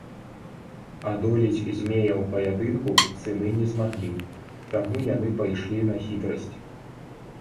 Адолець змея ў паядынку сыны не змаглі, таму яны пайшлі на хітрасць.